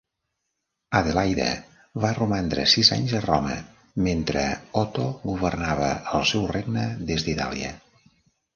Adelaida va romandre sis anys a Roma, mentre Otto governava el seu regne des d'Itàlia.